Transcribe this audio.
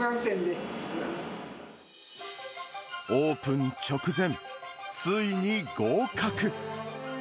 オープン直前、ついに合格。